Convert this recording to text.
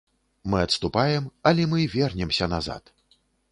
Мы адступаем, але мы вернемся назад.